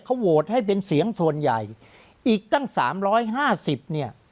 เขาโหวตให้เป็นเสียงส่วนใหญ่อีกตั้งสามร้อยห้าสิบเนี่ย